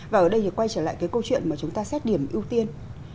và ở đây thì quay trở lại cái câu chuyện mà chúng ta xét điểm ưu tiên